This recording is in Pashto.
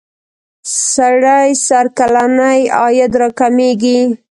سړي سر کلنی عاید را کمیږی.